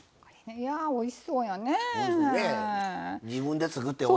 いやおいしそうですよ。